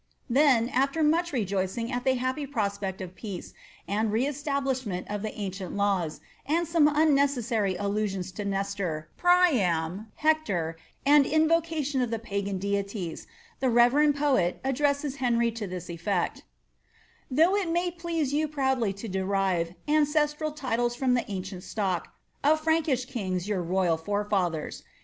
'* Then, after much rejoicing at the happy prospect of peace, and re astablishment of the ancient laws, and some unnecessary allusions to Nestor, Priam, Hector, and invocation of the Pagan deities, the reverend poet addresses Henry to this effect :—>Thou^ it may please you proudly to derive Ancestral titles from the ancient stock Of Fiankish kings your royal forefathers.